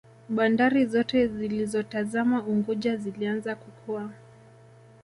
Bandari Zote zilizotazama Unguja zilianza kukua